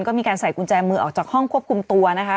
ก็มีการใส่กุญแจมือออกจากห้องควบคุมตัวนะคะ